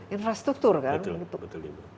infrastruktur kan betul